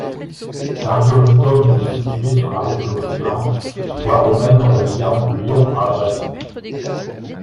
Darioritum était située sur la route de l'Océan, voie romaine reliant Lyon à Brest.